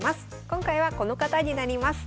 今回はこの方になります。